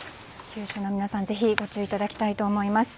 九州の皆さん、ぜひご注意いただきたいと思います。